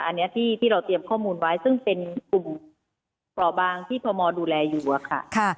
อันนี้ที่เราเตรียมข้อมูลไว้ซึ่งเป็นกลุ่มปล่อบางที่พมดูแลอยู่อะค่ะ